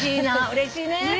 うれしいね。